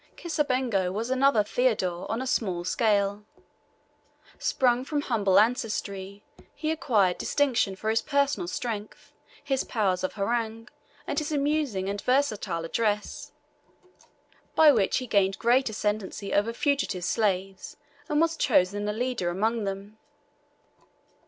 Kisabengo was another Theodore on a small scale. Sprung from humble ancestry, he acquired distinction for his personal strength, his powers of harangue, and his amusing and versatile address, by which he gained great ascendency over fugitive slaves, and was chosen a leader among them.